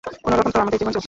কোনোরকম তো আমদের জীবন চলছে।